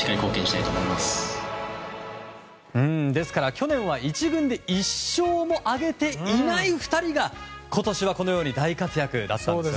去年は１軍で１勝も挙げていない２人が今年は、このように大活躍だったんですね。